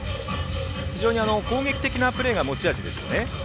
非常に攻撃的なプレーが持ち味ですよね。